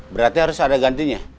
berarti harus ada gantinya